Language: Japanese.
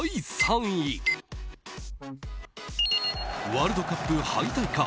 ワールドカップ敗退か。